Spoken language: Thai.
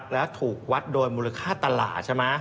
แล้วถูกวัดโดยมูลค่าตลาดใช่ไหม